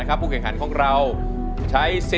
กระแซะเข้ามาสิ